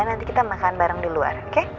nanti kita makan bareng di luar oke